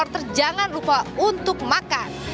jangan lupa untuk makan